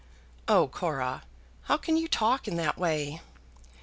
"Oh, Cora! how can you talk in that way?"